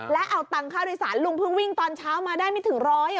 และเอาตังค่าโดยสารลุงเพิ่งวิ่งตอนเช้ามาได้ไม่ถึงร้อย